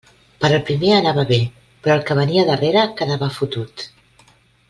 Per al primer anava bé, però el que venia darrere quedava fotut.